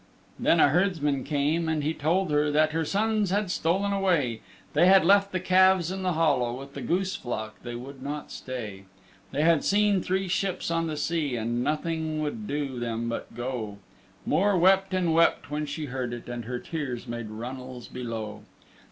Then a herdsman came, and he told her That her sons had stolen away: They had left the calves in the hollow, With the goose flock they would not stay: They had seen three ships on the sea And nothing would do them but go: Mor wept and wept when she heard it, And her tears made runnels below.